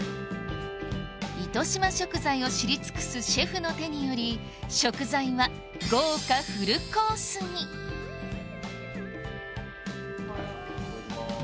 糸島食材を知り尽くすシェフの手により食材は豪華フルコースにいただきます。